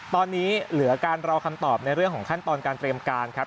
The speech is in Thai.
ตอนนี้เหลือการรอคำตอบในเรื่องของขั้นตอนการเตรียมการครับ